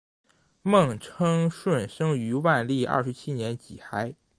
孟称舜生于万历二十七年己亥。